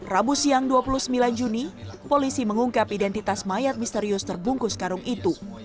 rabu siang dua puluh sembilan juni polisi mengungkap identitas mayat misterius terbungkus karung itu